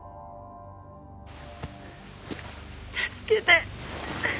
助けて